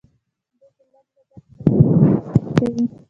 دوی په لږ لګښت فضايي ماموریتونه کوي.